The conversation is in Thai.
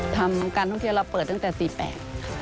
การท่องเที่ยวเราเปิดตั้งแต่ตี๘ค่ะ